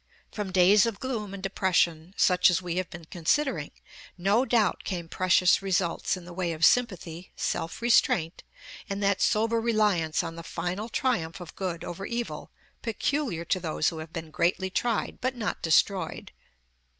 From days of gloom and depression, such as we have been considering, no doubt came precious results in the way of sympathy, self restraint, and that sober reliance on the final triumph of good over evil peculiar to those who have been greatly tried but not destroyed.